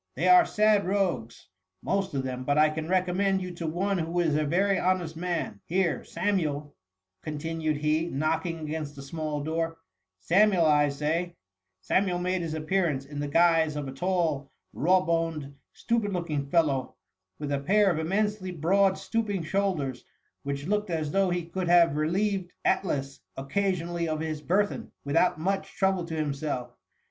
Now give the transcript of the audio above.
They are sad rogues, most of them, but I can recommend you to one who is a very honest man. Here, Samuel,^ continued he, knocking against a small door, ^^ Samuel, I say i'' Samuel made his appearance, in the guise of a tall, raw boned, stupid looking fellow, with a pair of immensely broad stooping shoulders, which looked as though he could have relieved Atlas occasionally of his burthen, without much trouble to himself.